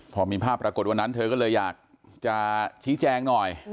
พอมีภาพปรากฏวันนั้นเธอก็เลยอยากจะชี้แจงหน่อย